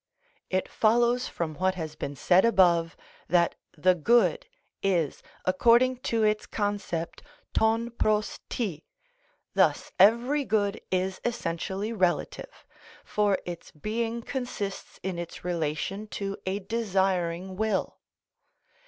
It follows from what has been said above, that the good is, according to its concept, των πρως τι; thus every good is essentially relative, for its being consists in its relation to a desiring will.